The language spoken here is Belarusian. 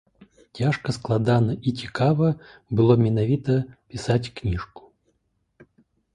Цяжка, складана і цікава было менавіта пісаць кніжку.